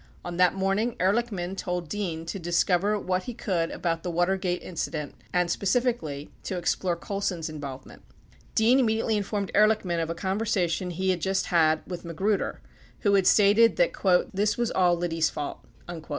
On that morning, Ehr lichman told Dean to discover what he could about the W atergate in cident and, specifically, to explore Colson's involvement. Dean imme diately informed Ehrlichman of a conversation he had just had with Magruder, who had stated that "this was all Liddy's fault."